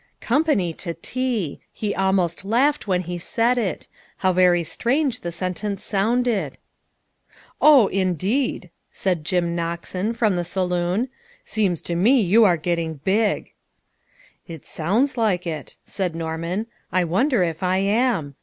Company to tea ! He almost laughed when he said it. How very strange the sentence sounded. " O, indeed," said Jim Noxen from the saloon. " Seems to me you are getting big." " It sounds like it," said Norman. " I wonder if I am?"